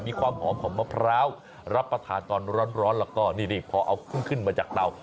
มีความหอมของมะพร้าวรับประทานตอนร้อนแล้วก็นี่พอเอาขึ้นมาจากเตา